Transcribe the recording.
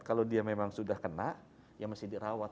kalau dia memang sudah kena ya mesti dirawat